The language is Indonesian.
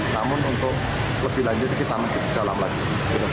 namun untuk lebih lanjut kita masih dalam lagi